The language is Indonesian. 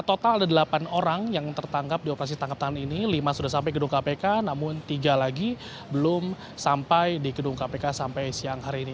total ada delapan orang yang tertangkap di operasi tangkap tangan ini lima sudah sampai gedung kpk namun tiga lagi belum sampai di gedung kpk sampai siang hari ini